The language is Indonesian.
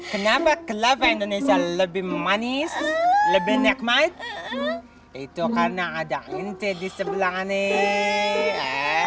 kenapa kelapa indonesia lebih manis lebih nikmat itu karena ada ente di sebelah nih